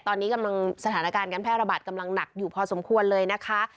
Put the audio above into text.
ตอนนี้กำลังสถานการณ์การแพร่ระบาดกำลังหนักอยู่พอสมควรเลยนะคะ